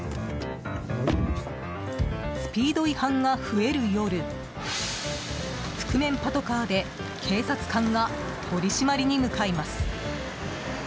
スピード違反が増える夜覆面パトカーで警察官が取り締まりに向かいます。